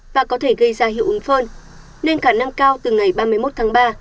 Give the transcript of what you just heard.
và có thể gây ra hiệu ứng phơn nên cả nắng cao từ ngày ba mươi một tháng ba